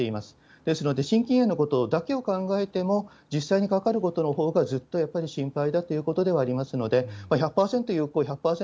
ですので心筋炎のことだけを考えても、実際にかかることのほうがずっとやっぱり心配だということではありますので、１００％有効、１００％